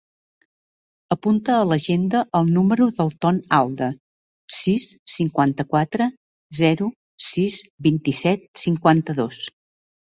Apunta a l'agenda el número del Ton Alda: sis, cinquanta-quatre, zero, sis, vint-i-set, cinquanta-dos.